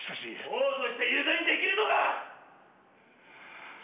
控訴して有罪にできるのかっ⁉